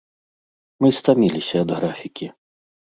Мы стаміліся ад графікі.